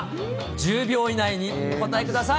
１０秒以内にお答えください。